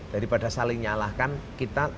daripada saling nyalahkan kita